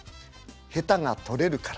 ヘタが取れるから。